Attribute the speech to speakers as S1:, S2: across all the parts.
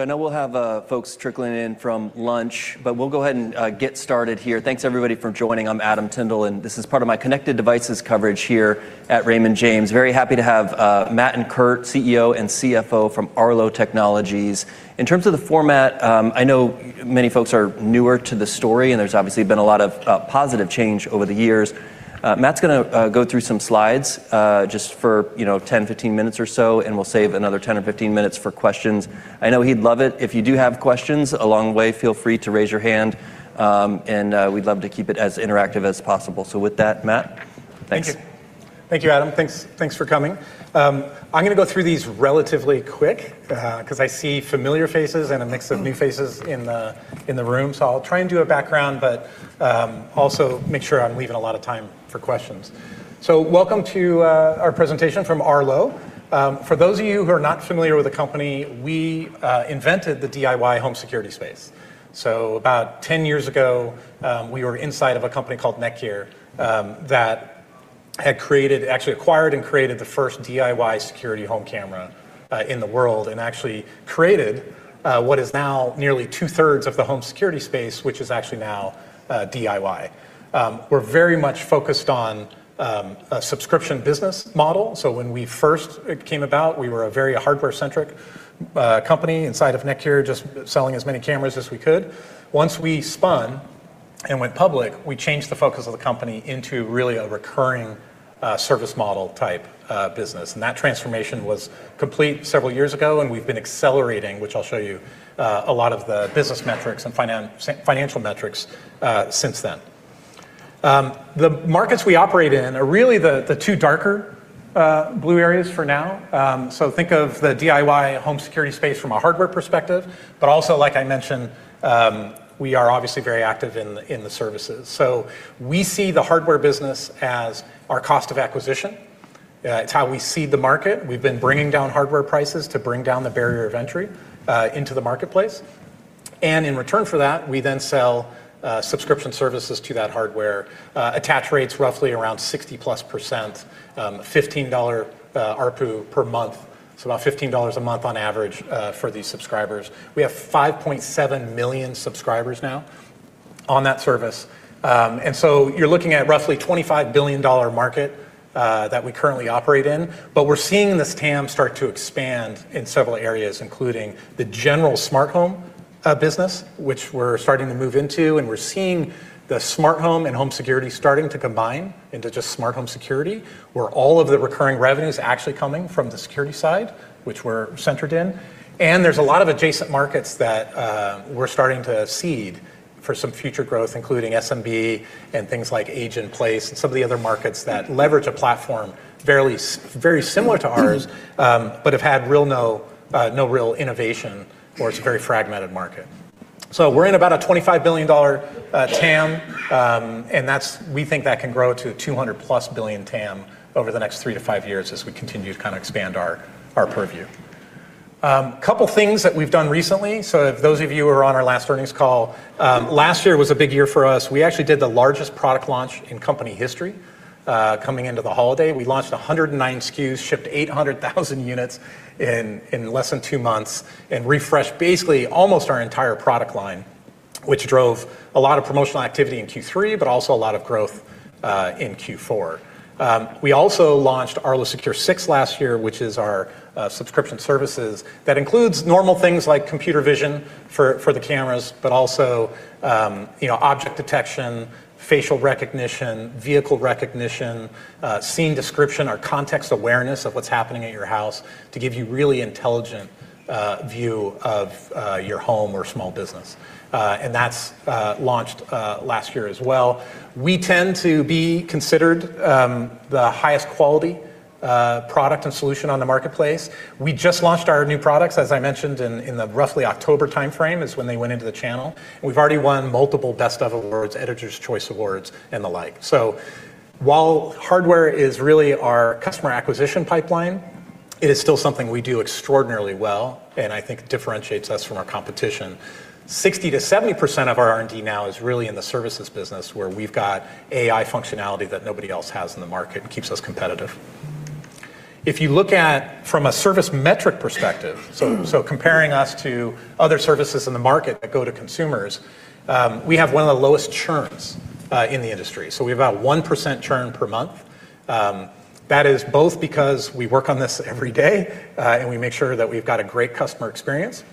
S1: I know we'll have folks trickling in from lunch, but we'll go ahead and get started here. Thanks everybody for joining. I'm Adam Tindle, and this is part of my connected devices coverage here at Raymond James. Very happy to have Matt and Kurt, CEO and CFO from Arlo Technologies. In terms of the format, I know many folks are newer to the story, and there's obviously been a lot of positive change over the years. Matt's gonna go through some slides, just for, you know, 10, 15 minutes or so, and we'll save another 10 or 15 minutes for questions. I know he'd love it if you do have questions along the way, feel free to raise your hand, and we'd love to keep it as interactive as possible. With that, Matt. Thanks.
S2: Thank you. Thank you, Adam. Thanks for coming. I'm gonna go through these relatively quick 'cause I see familiar faces and a mix of new faces in the room. I'll try and do a background, but also make sure I'm leaving a lot of time for questions. Welcome to our presentation from Arlo. For those of you who not familiar with the company, we invented the DIY home security space. About 10 years ago, we were inside of a company called NETGEAR that had actually acquired and created the first DIY security home camera in the world, and actually created what is now nearly 2/3 of the home security space, which is actually now DIY. We're very much focused on a subscription business model. When we first came about, we were a very hardware-centric company inside of NETGEAR, just selling as many cameras as we could. Once we spun and went public, we changed the focus of the company into really a recurring service model type business. That transformation was complete several years ago, and we've been accelerating, which I'll show you, a lot of the business metrics and financial metrics since then. The markets we operate in are really the two darker blue areas for now. Think of the DIY home security space from a hardware perspective. Also, like I mentioned, we are obviously very active in the services. We see the hardware business as our cost of acquisition. It's how we seed the market. We've been bringing down hardware prices to bring down the barrier of entry into the marketplace. In return for that, we then sell subscription services to that hardware. Attach rate's roughly around 60%+, $15 ARPU per month, so about $15 a month on average for these subscribers. We have 5.7 million subscribers now on that service. You're looking at roughly $25 billion market that we currently operate in. We're seeing this TAM start to expand in several areas, including the general smart home business, which we're starting to move into, and we're seeing the smart home and home security starting to combine into just smart home security, where all of the recurring revenue is actually coming from the security side, which we're centered in. There's a lot of adjacent markets that we're starting to seed for some future growth, including SMB and things like age in place and some of the other markets that leverage a platform fairly very similar to ours, but have had no real innovation or it's a very fragmented market. We're in about a $25 billion TAM, and we think that can grow to a $200+ billion TAM over the next 3-5 years as we continue to kinda expand our purview. Couple things that we've done recently, so those of you who are on our last earnings call, last year was a big year for us. We actually did the largest product launch in company history coming into the holiday. We launched 109 SKUs, shipped 800,000 units in less than two months and refreshed basically almost our entire product line, which drove a lot of promotional activity in Q3, but also a lot of growth in Q4. We also launched Arlo Secure 6 last year, which is our subscription services. That includes normal things like computer vision for the cameras, but also, you know, object detection, facial recognition, vehicle recognition, scene description or context awareness of what's happening at your house to give you really intelligent view of your home or small business. That's launched last year as well. We tend to be considered the highest quality product and solution on the marketplace. We just launched our new products, as I mentioned in the roughly October timeframe is when they went into the channel. We've already won multiple Best Of awards, Editor's Choice awards and the like. While hardware is really our customer acquisition pipeline, it is still something we do extraordinarily well and I think differentiates us from our competition. 60%-70% of our R&D now is really in the services business where we've got AI functionality that nobody else has in the market and keeps us competitive. If you look at from a service metric perspective, comparing us to other services in the market that go to consumers, we have one of the lowest churns in the industry. We have about 1% churn per month. That is both because we work on this every day, and we make sure that we've got a great customer experience.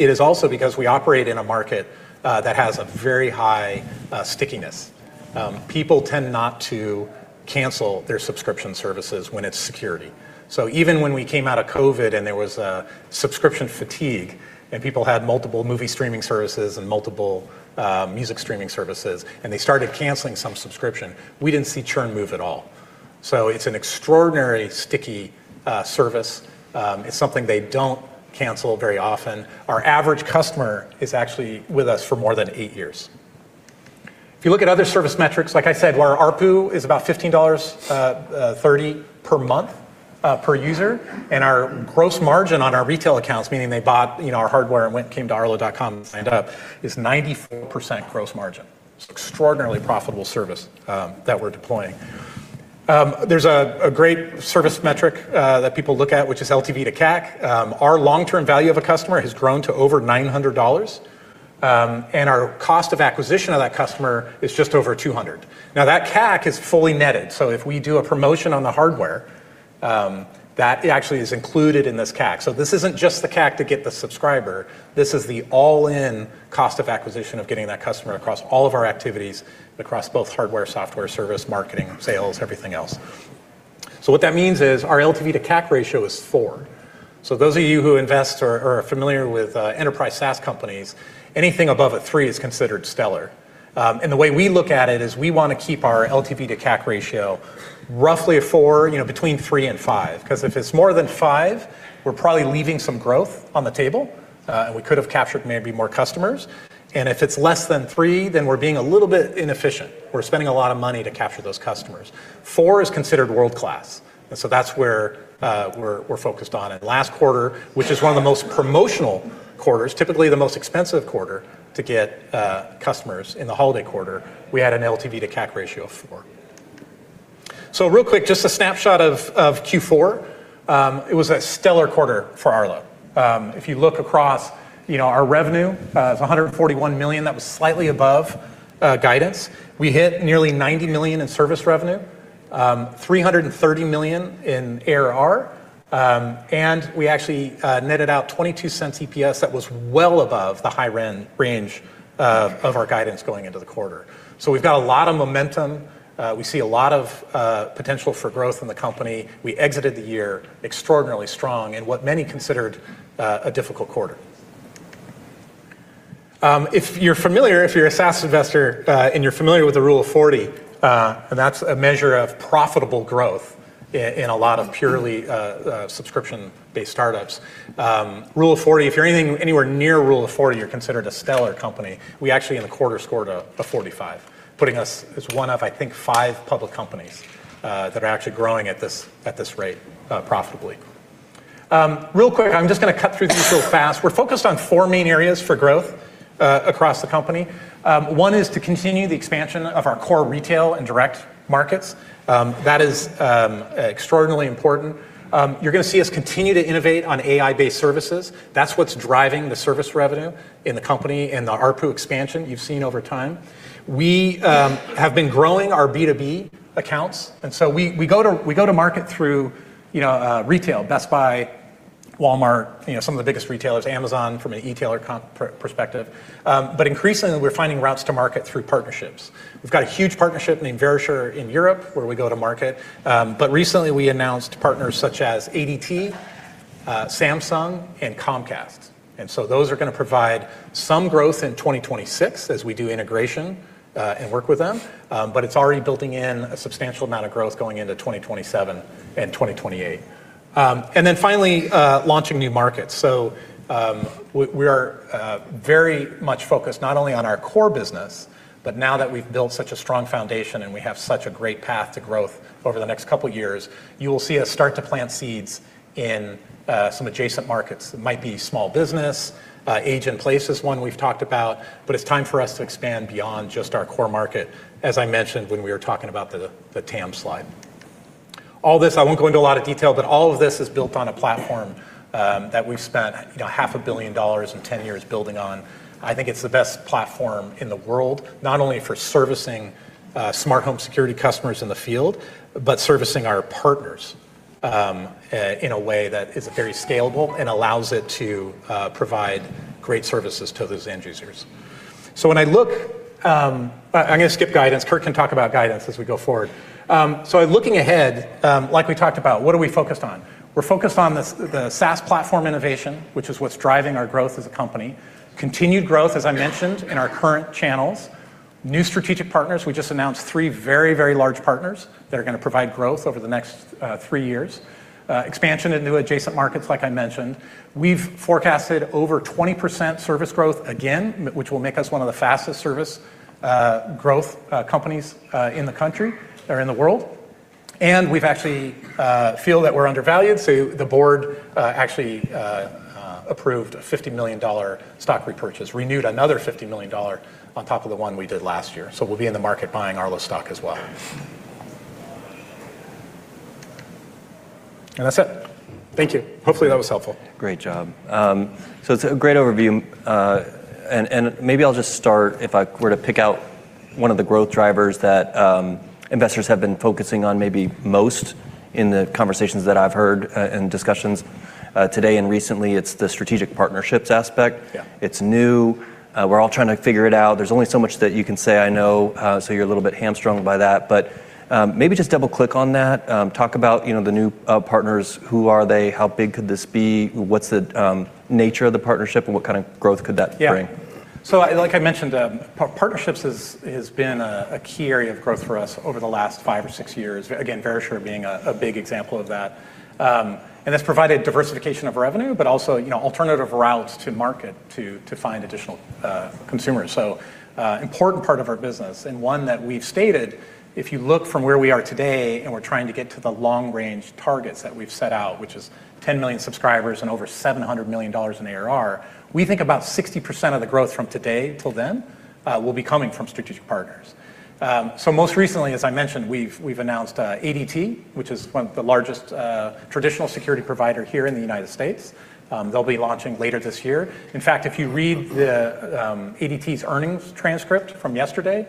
S2: It is also because we operate in a market, that has a very high stickiness. People tend not to cancel their subscription services when it's security. Even when we came out of COVID and there was a subscription fatigue and people had multiple movie streaming services and multiple music streaming services, and they started canceling some subscription, we didn't see churn move at all. It's an extraordinary sticky service. It's something they don't cancel very often. Our average customer is actually with us for more than eight years. If you look at other service metrics, like I said, our ARPU is about $15, $30 per month per user, and our gross margin on our retail accounts, meaning they bought, you know, our hardware and came to arlo.com and signed up, is 94% gross margin. It's extraordinarily profitable service that we're deploying. There's a great service metric that people look at, which is LTV/CAC. Our long-term value of a customer has grown to over $900, and our cost of acquisition of that customer is just over $200. That CAC is fully netted, so if we do a promotion on the hardware, that actually is included in this CAC. This isn't just the CAC to get the subscriber, this is the all-in cost of acquisition of getting that customer across all of our activities, across both hardware, software, service, marketing, sales, everything else. What that means is our LTV/CAC ratio is four. Those of you who invest or are familiar with enterprise SaaS companies, anything above a three is considered stellar. The way we look at it is we want to keep our LTV/CAC ratio roughly a four, you know, between 3 and 5, 'cause if it's more than five, we're probably leaving some growth on the table, and we could have captured maybe more customers. If it's less than three, then we're being a little bit inefficient. We're spending a lot of money to capture those customers. Four is considered world-class. That's where we're focused on. Last quarter, which is one of the most promotional quarters, typically the most expensive quarter to get customers in the holiday quarter, we had an LTV/CAC ratio of four. Real quick, just a snapshot of Q4. It was a stellar quarter for Arlo. If you look across, you know, our revenue, it's $141 million. That was slightly above guidance. We hit nearly $90 million in service revenue, $330 million in ARR, and we actually netted out $0.22 EPS. That was well above the high range of our guidance going into the quarter. We've got a lot of momentum. We see a lot of potential for growth in the company. We exited the year extraordinarily strong in what many considered a difficult quarter. If you're familiar, if you're a SaaS investor, you're familiar with the Rule of 40, that's a measure of profitable growth in a lot of purely subscription-based startups. Rule of 40, if you're anywhere near Rule of 40, you're considered a stellar company. We actually in the quarter scored a 45, putting us as one of, I think, five public companies that are actually growing at this rate profitably. Real quick, I'm just gonna cut through these real fast. We're focused on four main areas for growth across the company. One is to continue the expansion of our core retail and direct markets. That is extraordinarily important. You're gonna see us continue to innovate on AI-based services. That's what's driving the service revenue in the company and the ARPU expansion you've seen over time. We have been growing our B2B accounts, we go to market through, you know, retail, Best Buy, Walmart, you know, some of the biggest retailers, Amazon from an e-tailer perspective. Increasingly, we're finding routes to market through partnerships. We've got a huge partnership named Verisure in Europe where we go to market, but recently we announced partners such as ADT, Samsung, and Comcast. Those are gonna provide some growth in 2026 as we do integration and work with them. It's already building in a substantial amount of growth going into 2027 and 2028. Finally, launching new markets. We are very much focused not only on our core business, but now that we've built such a strong foundation and we have such a great path to growth over the next couple years, you will see us start to plant seeds in some adjacent markets. It might be small business, age in place is one we've talked about, but it's time for us to expand beyond just our core market, as I mentioned when we were talking about the TAM slide. All this, I won't go into a lot of detail, but all of this is built on a platform that we've spent, you know, half a billion dollars and 10 years building on. I think it's the best platform in the world, not only for servicing smart home security customers in the field, but servicing our partners in a way that is very scalable and allows it to provide great services to those end users. When I look, I'm gonna skip guidance. Kurt can talk about guidance as we go forward. Looking ahead, like we talked about, what are we focused on? We're focused on the SaaS platform innovation, which is what's driving our growth as a company. Continued growth, as I mentioned, in our current channels. New strategic partners. We just announced three very, very large partners that are gonna provide growth over the next three years. Expansion into adjacent markets, like I mentioned. We've forecasted over 20% service growth again, which will make us one of the fastest service growth companies in the country or in the world. We've actually feel that we're undervalued, so the board actually approved a $50 million stock repurchase, renewed another $50 million on top of the one we did last year. We'll be in the market buying Arlo stock as well. That's it. Thank you. Hopefully, that was helpful.
S1: Great job. It's a great overview. Maybe I'll just start, if I were to pick out one of the growth drivers that investors have been focusing on maybe most in the conversations that I've heard, and discussions, today and recently, it's the strategic partnerships aspect.
S2: Yeah.
S1: It's new. We're all trying to figure it out. There's only so much that you can say I know, so you're a little bit hamstrung by that. Maybe just double-click on that. Talk about, you know, the new partners. Who are they? How big could this be? What's the nature of the partnership, and what kind of growth could that bring?
S2: Like I mentioned, partnerships has been a key area of growth for us over the last 5 or 6 years. Again, Verisure being a big example of that. It's provided diversification of revenue, but also, you know, alternative routes to market to find additional consumers. Important part of our business, and one that we've stated if you look from where we are today and we're trying to get to the long-range targets that we've set out, which is 10 million subscribers and over $700 million in ARR, we think about 60% of the growth from today till then will be coming from strategic partners. Most recently, as I mentioned, we've announced ADT, which is one of the largest traditional security provider here in the United States. They'll be launching later this year. In fact, if you read the ADT's earnings transcript from yesterday,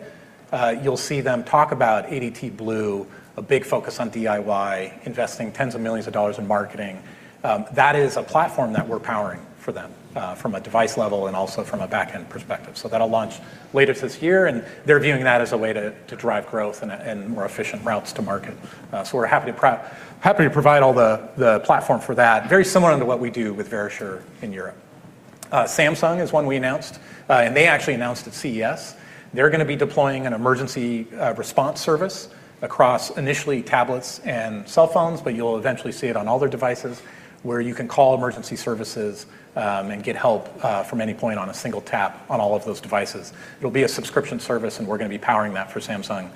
S2: you'll see them talk about ADT Blue, a big focus on DIY, investing tens of millions of dollars in marketing. That is a platform that we're powering for them from a device level and also from a back-end perspective. That'll launch later this year, and they're viewing that as a way to drive growth and more efficient routes to market. We're happy to provide all the platform for that, very similar to what we do with Verisure in Europe. Samsung is one we announced, and they actually announced at CES. They're gonna be deploying an emergency response service across initially tablets and cell phones, but you'll eventually see it on all their devices, where you can call emergency services and get help from any point on a single tap on all of those devices. It'll be a subscription service. We're gonna be powering that for Samsung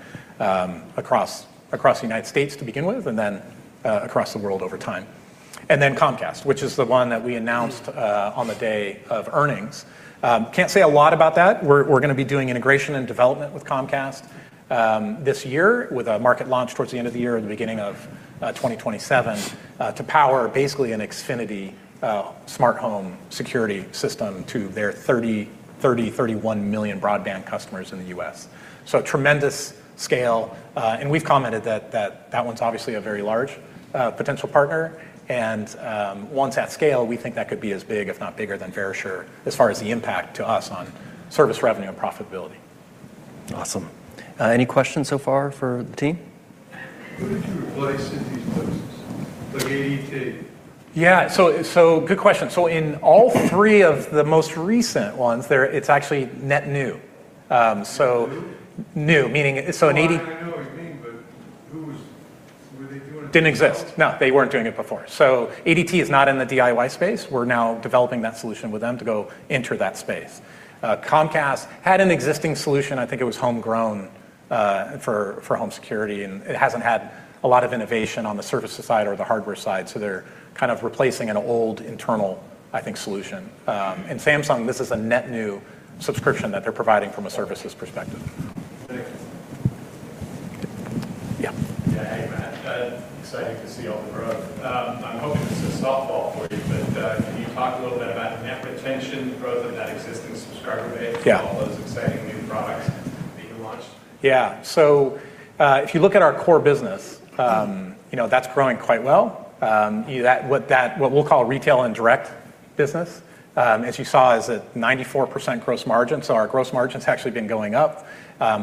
S2: across the United States to begin with and then across the world over time. Comcast, which is the one that we announced on the day of earnings. Can't say a lot about that. We're gonna be doing integration and development with Comcast this year with a market launch towards the end of the year and the beginning of 2027 to power basically an Xfinity smart home security system to their 31 million broadband customers in the U.S. Tremendous scale, and we've commented that one's obviously a very large potential partner. Once at scale, we think that could be as big, if not bigger, than Verisure as far as the impact to us on service revenue and profitability.
S1: Awesome. Any questions so far for the team?
S3: Who did you replace in these places? Like ADT.
S2: Yeah. Good question. In all three of the most recent ones, it's actually net new.
S3: New?
S2: New. Meaning.
S3: No, I know what you mean, but who's... Were they doing it before?
S2: Didn't exist. No, they weren't doing it before. ADT is not in the DIY space. We're now developing that solution with them to go enter that space. Comcast had an existing solution, I think it was homegrown, for home security, and it hasn't had a lot of innovation on the services side or the hardware side, so they're kind of replacing an old internal, I think, solution. Samsung, this is a net new subscription that they're providing from a services perspective. Yeah.
S3: Yeah. Hey, Matt. exciting to see all the growth. I'm hoping this is a softball for you, can you talk a little bit about net retention growth of that existing subscriber base...
S2: Yeah.
S3: With all those exciting new products being launched?
S2: If you look at our core business, you know, that's growing quite well. What we'll call retail and direct business, as you saw is at 94% gross margin, our gross margin's actually been going up.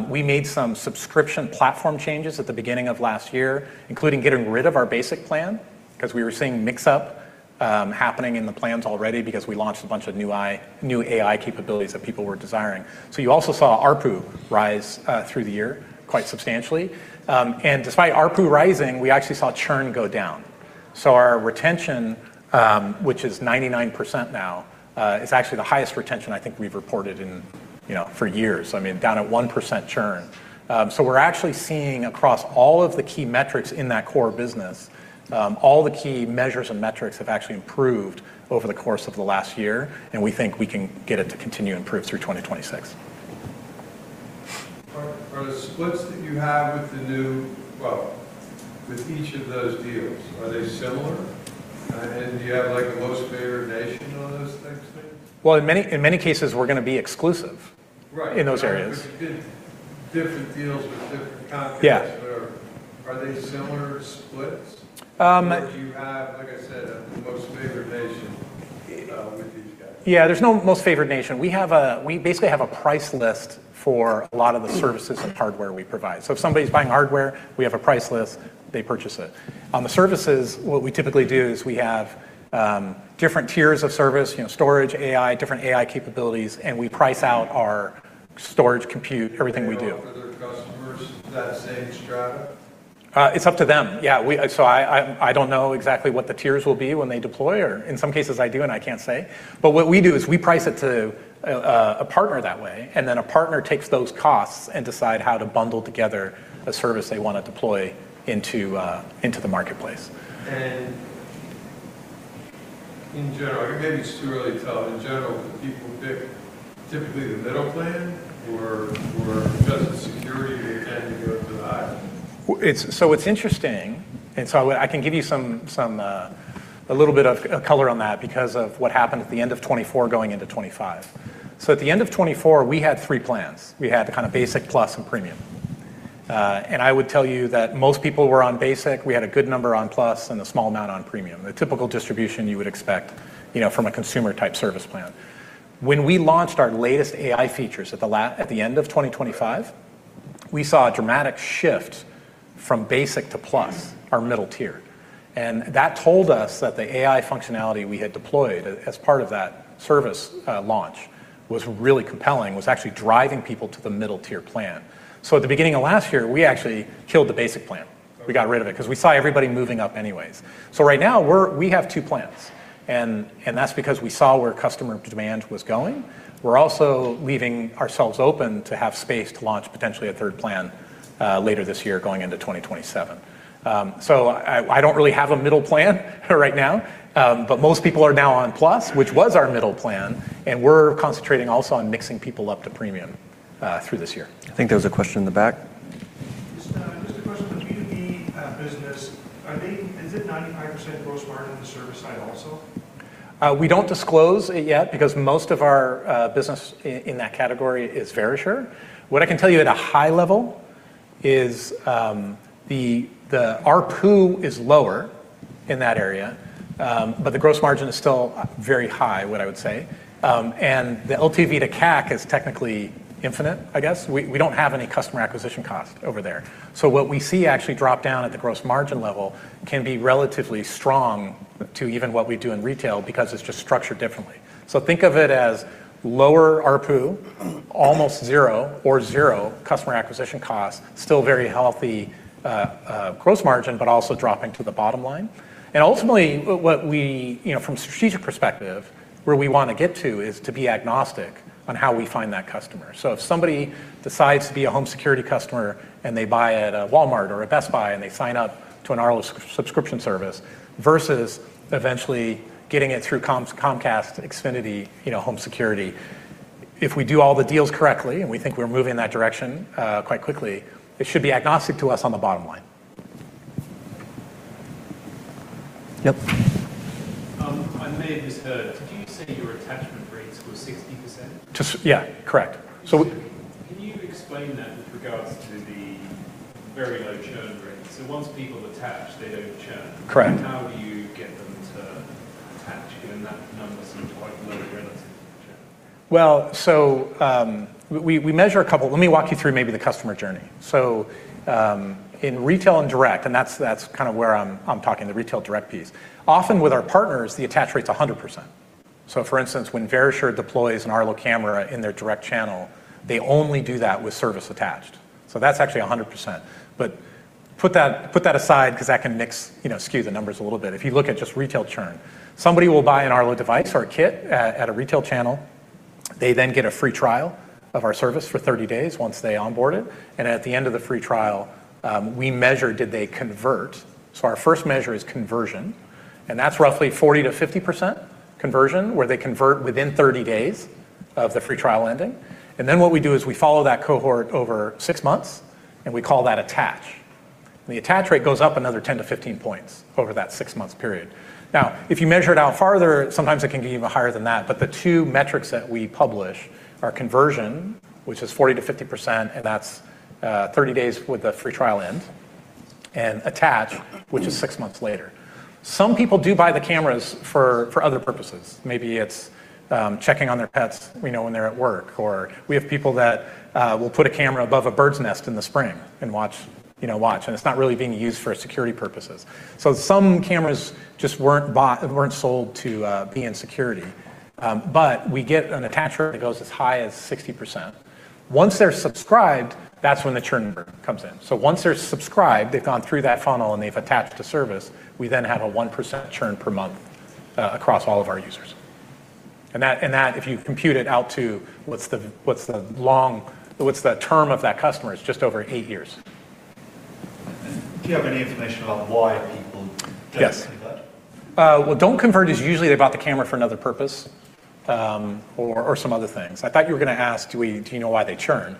S2: We made some subscription platform changes at the beginning of last year, including getting rid of our basic plan because we were seeing mix-up happening in the plans already because we launched a bunch of new AI capabilities that people were desiring. You also saw ARPU rise through the year quite substantially. Despite ARPU rising, we actually saw churn go down. Our retention, which is 99% now, is actually the highest retention I think we've reported in, you know, for years. I mean, down at 1% churn. We're actually seeing across all of the key metrics in that core business, all the key measures and metrics have actually improved over the course of the last year, we think we can get it to continue to improve through 2026.
S3: Are the splits that you have with the new, well, with each of those deals, are they similar? Do you have like most favored nation on those types of things?
S2: Well, in many cases, we're gonna be exclusive.
S3: Right.
S2: In those areas.
S3: You did different deals with different contracts.
S2: Yeah.
S3: Are they similar splits?
S2: Um-
S3: Do you have, like I said, a most favored nation with these guys?
S2: Yeah, there's no most favored nation. We basically have a price list for a lot of the services and hardware we provide. If somebody's buying hardware, we have a price list, they purchase it. On the services, what we typically do is we have different tiers of service, you know, storage, AI, different AI capabilities, and we price out our storage, compute, everything we do.
S3: Are you offering their customers that same strata?
S2: It's up to them. I don't know exactly what the tiers will be when they deploy or in some cases, I do and I can't say. What we do is we price it to a partner that way, and then a partner takes those costs and decide how to bundle together a service they wanna deploy into the marketplace.
S3: In general, maybe it's too early to tell, in general, do people pick typically the middle plan or because it's security, they tend to go to the high?
S2: It's interesting. I can give you some a little bit of color on that because of what happened at the end of 2024 going into 2025. At the end of 2024, we had three plans. We had the kinda Basic, Plus, and Premium. I would tell you that most people were on Basic, we had a good number on Plus, and a small amount on Premium. The typical distribution you would expect, you know, from a consumer-type service plan. When we launched our latest AI features at the end of 2025, we saw a dramatic shift from Basic to Plus, our middle tier. That told us that the AI functionality we had deployed as part of that service launch was really compelling, was actually driving people to the middle tier plan. At the beginning of last year, we actually killed the Basic plan. We got rid of it 'cause we saw everybody moving up anyways. Right now, we have two plans, and that's because we saw where customer demand was going. We're also leaving ourselves open to have space to launch potentially a third plan later this year going into 2027. I don't really have a middle plan right now. Most people are now on Plus, which was our middle plan, and we're concentrating also on mixing people up to Premium through this year.
S1: I think there was a question in the back.
S3: Just, just a question. The B2B, business, is it 95% gross margin on the service side also?
S2: We don't disclose it yet because most of our business in that category is Verisure. What I can tell you at a high level, the ARPU is lower in that area, but the gross margin is still very high, what I would say. The LTV/CAC is technically infinite, I guess. We don't have any customer acquisition cost over there. What we see actually drop down at the gross margin level can be relatively strong to even what we do in retail because it's just structured differently. Think of it as lower ARPU, almost zero or zero customer acquisition cost, still very healthy gross margin, but also dropping to the bottom line. Ultimately what we, you know, from strategic perspective, where we wanna get to is to be agnostic on how we find that customer. If somebody decides to be a home security customer and they buy at a Walmart or a Best Buy, and they sign up to an Arlo subscription service versus eventually getting it through Comcast Xfinity, you know, home security, if we do all the deals correctly, and we think we're moving in that direction, quite quickly, it should be agnostic to us on the bottom line. Yep.
S3: I may have misheard. Did you say your attachment rates were 60%?
S2: Yeah, correct.
S3: Can you explain that with regards to the very low churn rates? Once people attach, they don't churn.
S2: Correct.
S3: How do you get them to attach given that numbers seem quite low relative to churn?
S2: We measure a couple... Let me walk you through maybe the customer journey. In retail and direct, that's kinda where I'm talking the retail direct piece. Often with our partners, the attach rate's 100%. For instance, when Verisure deploys an Arlo camera in their direct channel, they only do that with service attached. That's actually 100%. Put that aside because that can mix, you know, skew the numbers a little bit. If you look at just retail churn, somebody will buy an Arlo device or a kit at a retail channel. They then get a free trial of our service for 30 days once they onboard it, and at the end of the free trial, we measure did they convert. Our first measure is conversion, and that's roughly 40%-50% conversion, where they convert within 30 days of the free trial ending. What we do is we follow that cohort over 6 months, and we call that attach. The attach rate goes up another 10-15 points over that 6-month period. If you measure it out farther, sometimes it can be even higher than that. The two metrics that we publish are conversion, which is 40%-50%, and that's 30 days with the free trial end, and attach, which is 6 months later. Some people do buy the cameras for other purposes. Maybe it's checking on their pets, you know, when they're at work, or we have people that will put a camera above a bird's nest in the spring and watch, it's not really being used for security purposes. Some cameras just weren't sold to be in security. We get an attach rate that goes as high as 60%. Once they're subscribed, that's when the churn number comes in. Once they're subscribed, they've gone through that funnel, and they've attached to service, we then have a 1% churn per month across all of our users. That, if you compute it out to what's the term of that customer is just over 8 years.
S3: Do you have any information about why?
S2: Yes
S3: Don't convert?
S2: Well, don't convert is usually they bought the camera for another purpose, or some other things. I thought you were gonna ask do you know why they churn?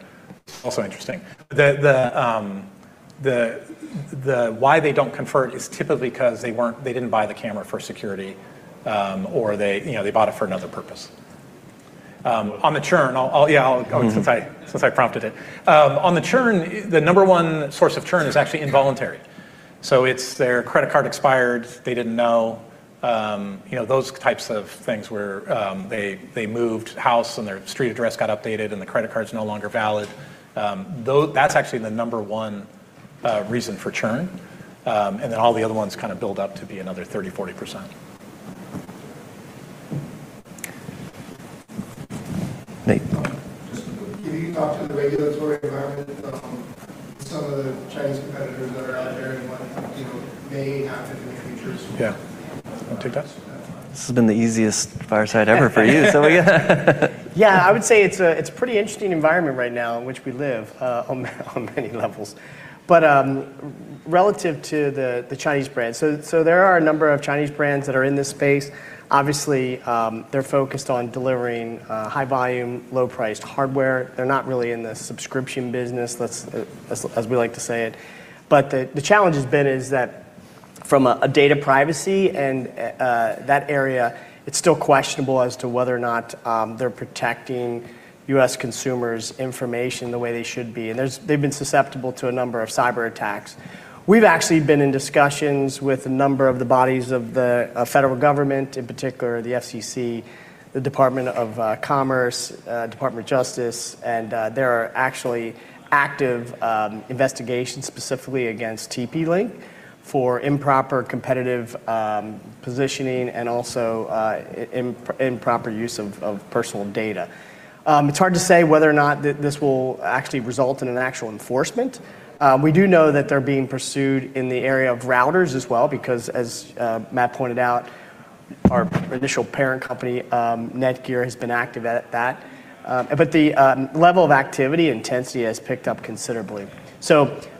S2: Also interesting. The why they don't convert is typically 'cause they didn't buy the camera for security, or they, you know, they bought it for another purpose. On the churn, I'll, yeah.
S3: Mm-hmm
S2: Since I, since I prompted it. On the churn, the number one source of churn is actually involuntary. It's their credit card expired, they didn't know. You know, those types of things where they moved house and their street address got updated and the credit card's no longer valid. That's actually the number one reason for churn. All the other ones kinda build up to be another 30%, 40%.
S3: Can you talk to the regulatory environment of some of the Chinese competitors that are out there and what, you know, may happen in the future as well?
S2: Yeah. You wanna take that?
S1: This has been the easiest fireside ever for you.
S4: I would say it's a pretty interesting environment right now in which we live on many levels. Relative to the Chinese brands. There are a number of Chinese brands that are in this space. Obviously, they're focused on delivering high volume, low priced hardware. They're not really in the subscription business, as we like to say it. The challenge has been is that from a data privacy and that area, it's still questionable as to whether or not they're protecting U.S. consumers' information the way they should be. They've been susceptible to a number of cyberattacks. We've actually been in discussions with a number of the bodies of the federal government, in particular the FCC, the Department of Commerce, Department of Justice, there are actually active investigations specifically against TP-Link for improper competitive positioning and also improper use of personal data. It's hard to say whether or not this will actually result in an actual enforcement. We do know that they're being pursued in the area of routers as well because, as Matt pointed out, our initial parent company, NETGEAR, has been active at that. The level of activity intensity has picked up considerably.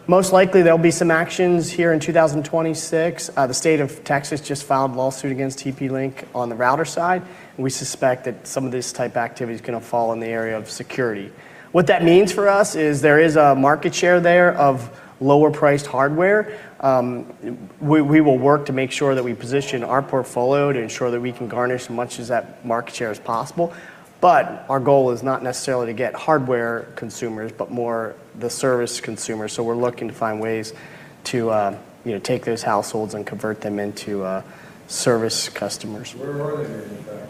S4: Most likely there'll be some actions here in 2026. The state of Texas just filed lawsuit against TP-Link on the router side. We suspect that some of this type activity is gonna fall in the area of security. What that means for us is there is a market share there of Lower priced hardware, we will work to make sure that we position our portfolio to ensure that we can garnish as much as that market share as possible. Our goal is not necessarily to get hardware consumers, but more the service consumers. We're looking to find ways to, you know, take those households and convert them into service customers.
S3: Where are they manufactured?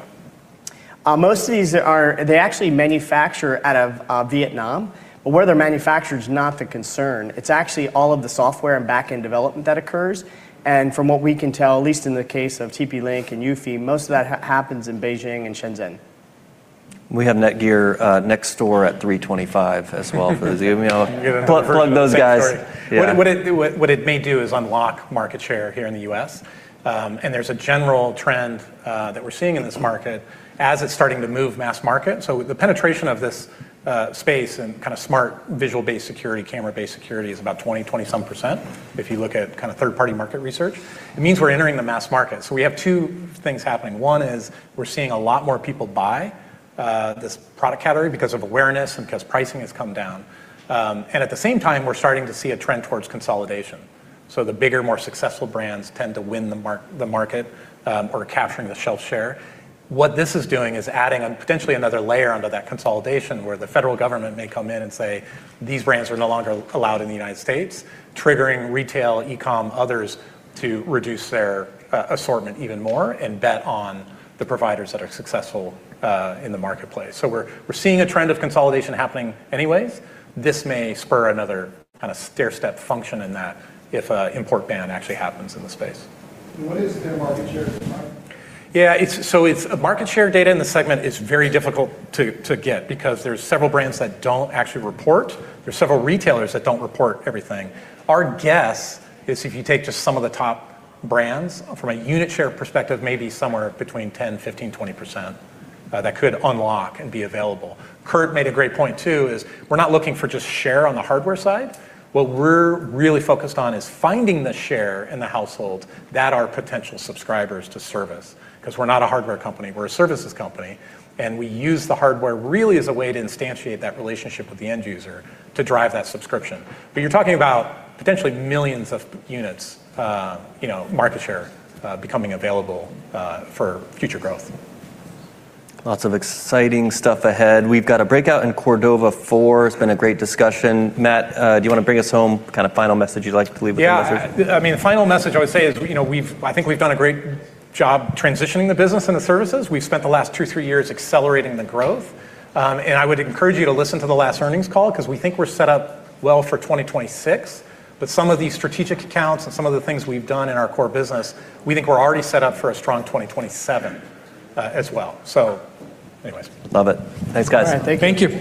S4: Most of these are. They actually manufacture out of Vietnam. Where they're manufactured is not the concern. It's actually all of the software and back-end development that occurs. From what we can tell, at least in the case of TP-Link and eufy, most of that happens in Beijing and Shenzhen.
S1: We have NETGEAR, next door at 325 as well for the Zoom. You know. Plug those guys.
S2: What it may do is unlock market share here in the U.S. There's a general trend that we're seeing in this market as it's starting to move mass market. The penetration of this space and kinda smart visual-based security, camera-based security is about 20 some percent if you look at kinda third-party market research. It means we're entering the mass market. We have two things happening. One is we're seeing a lot more people buy this product category because of awareness and because pricing has come down. At the same time, we're starting to see a trend towards consolidation. The bigger, more successful brands tend to win the market or capturing the shelf share. What this is doing is adding potentially another layer onto that consolidation where the federal government may come in and say, "These brands are no longer allowed in the United States," triggering retail, e-com, others to reduce their assortment even more and bet on the providers that are successful in the marketplace. We're seeing a trend of consolidation happening anyways. This may spur another kinda stairstep function in that if a import ban actually happens in the space.
S3: What is their market share at the moment?
S2: So it's market share data in this segment is very difficult to get because there's several brands that don't actually report. There's several retailers that don't report everything. Our guess is if you take just some of the top brands from a unit share perspective, maybe somewhere between 10%, 15%, 20% that could unlock and be available. Kurt made a great point, too, is we're not looking for just share on the hardware side. What we're really focused on is finding the share in the household that are potential subscribers to service, 'cause we're not a hardware company, we're a services company, and we use the hardware really as a way to instantiate that relationship with the end user to drive that subscription. You're talking about potentially millions of units, you know, market share becoming available for future growth.
S1: Lots of exciting stuff ahead. We've got a breakout in Cordova 4. It's been a great discussion. Matt, do you wanna bring us home? Kinda final message you'd like to leave with the investors?
S2: Yeah. I mean, the final message I would say is, you know, I think we've done a great job transitioning the business into services. We've spent the last two, three years accelerating the growth. I would encourage you to listen to the last earnings call 'cause we think we're set up well for 2026. Some of these strategic accounts and some of the things we've done in our core business, we think we're already set up for a strong 2027 as well. Anyways.
S1: Love it. Thanks, guys.
S2: All right. Thank you.
S4: Thank you.